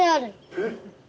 えっ！